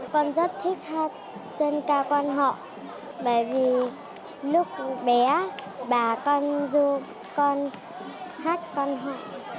con rất thích hát dân ca quan họ bởi vì lúc bé bà con du con hát quan họ